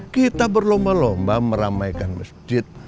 kita berlomba lomba meramaikan masjid